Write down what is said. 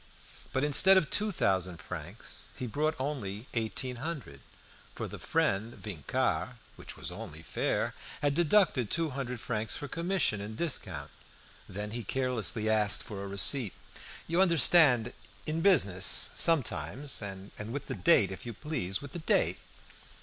But instead of two thousand francs he brought only eighteen hundred, for the friend Vincart (which was only fair) had deducted two hundred francs for commission and discount. Then he carelessly asked for a receipt. "You understand in business sometimes. And with the date, if you please, with the date."